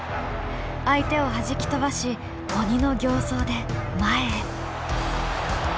相手をはじき飛ばし鬼の形相で前へ。